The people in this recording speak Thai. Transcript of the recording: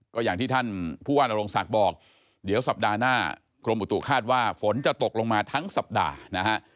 ก็อย่างที่ท่านผู้ว่านโรงศักดิ์บอกเดี๋ยวสัปดาห์หน้ากรมอุตุคาดว่าฝนจะตกลงมาทั้งสัปดาห์นะฮะ